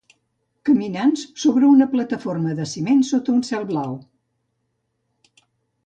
Caminants sobre una plataforma de ciment sota un cel blau.